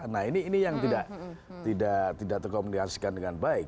nah ini yang tidak terkomunikasikan dengan baik